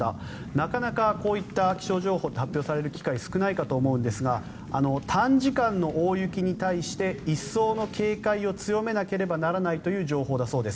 なかなかこういった気象情報って発表される機会が少ないかと思うんですが短時間の大雪に対して一層の警戒を強めなければならないという情報だそうです。